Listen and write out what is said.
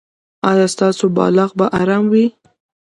ایا ستاسو بالښت به ارام وي؟